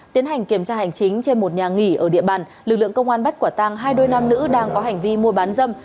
tiến hành kiểm tra hành chính trên một nhà nghỉ ở địa bàn lực lượng công an bắt quả tang hai đôi nam nữ đang có hành vi mua bán dâm